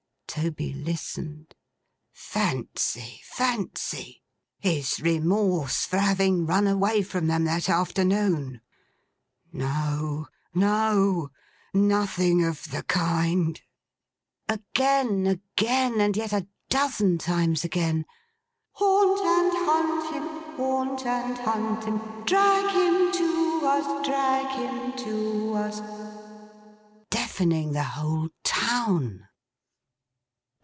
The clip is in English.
Toby listened. Fancy, fancy! His remorse for having run away from them that afternoon! No, no. Nothing of the kind. Again, again, and yet a dozen times again. 'Haunt and hunt him, haunt and hunt him, Drag him to us, drag him to us!' Deafening the whole town!